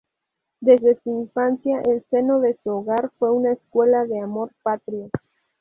Desde su infancia el seno de su hogar fue una escuela de amor patrio.